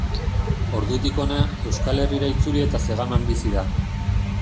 Ordutik hona, Euskal Herrira itzuli eta Zegaman bizi da.